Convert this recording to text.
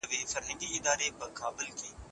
عدالت د ټولنې د سولي لامل ګرځي.